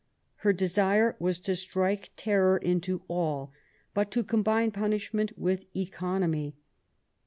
Her desire was to strike terror into all, but to combine punishment with economy.